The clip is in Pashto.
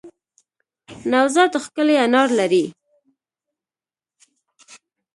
نوزاد ښکلی انار لری